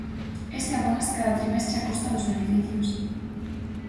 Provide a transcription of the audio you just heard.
Este abónase cada trimestre a costa dos beneficios.